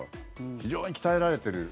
非常に鍛えられてる。